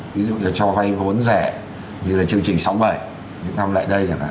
ví dụ như cho vay vốn rẻ như là chương trình sáu mươi bảy những năm lại đây chẳng hạn